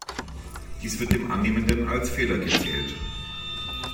Dies wird dem Annehmenden als Fehler gezählt.